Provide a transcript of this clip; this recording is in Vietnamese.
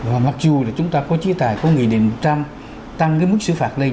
và mặc dù là chúng ta có trí tài có nghị định trăm tăng cái mức sử phạt lên